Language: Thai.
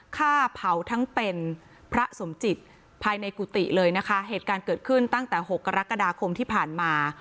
ฆ่าเผาทั้งเป็นพระสมจิตภายในกุฏิเลยนะคะเหตุการณ์เกิดขึ้นตั้งแต่หกกรกฎาคมที่ผ่านมา